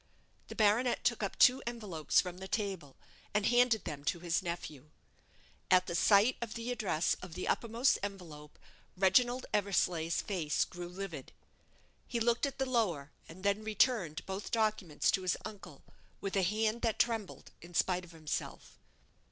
The baronet took up two envelopes from the table, and handed them to his nephew. At the sight of the address of the uppermost envelope, Reginald Eversleigh's face grew livid. He looked at the lower, and then returned both documents to his uncle, with a hand that trembled in spite of himself.